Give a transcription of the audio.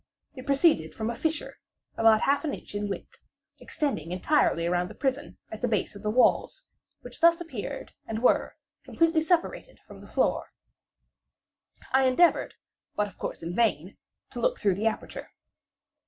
It proceeded from a fissure, about half an inch in width, extending entirely around the prison at the base of the walls, which thus appeared, and were, completely separated from the floor. I endeavored, but of course in vain, to look through the aperture.